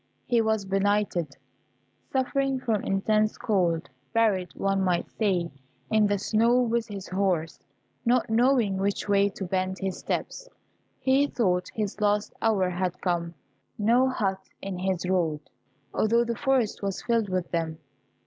He was benighted, suffering from intense cold, buried, one might say, in the snow, with his horse; not knowing which way to bend his steps, he thought his last hour had come: no hut in his road, although the forest was filled with them.